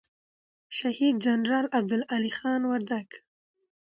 شهید جنرال عبدالعلي خان وردگ